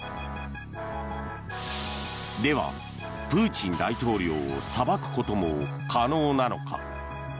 では、プーチン大統領を裁くことも可能なのか。